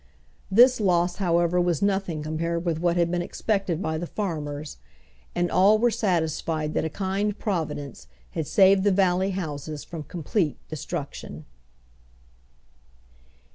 This loss, however, was nothing compared with what had been expected by the farmers, and all were satisfied that a kind Providence had saved the valley houses from complete destruction.